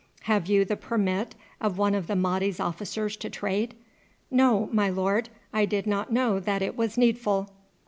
"Have you the permit of one of the Mahdi's officers to trade?" "No, my lord, I did not know that it was needful."